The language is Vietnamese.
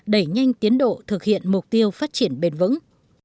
đẩy nhanh tiến độ thực hiện mục tiêu phát triển bền vững